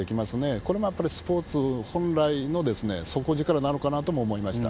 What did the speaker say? これもやっぱりスポーツ本来の底力なのかなとも思いました。